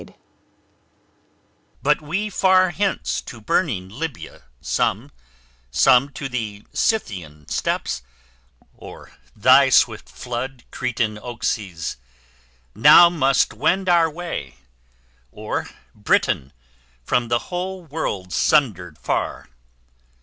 MELIBOEUS But we far hence, to burning Libya some, Some to the Scythian steppes, or thy swift flood, Cretan Oaxes, now must wend our way, Or Britain, from the whole world sundered far.